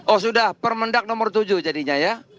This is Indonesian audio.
oh sudah permendak nomor tujuh jadinya ya